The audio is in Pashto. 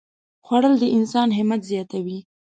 خوړل د انسان همت زیاتوي